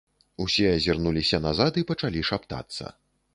Усе азірнуліся назад і пачалі шаптацца.